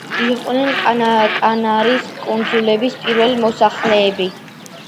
იყვნენ კანარის კუნძულების პირველი მოსახლეები.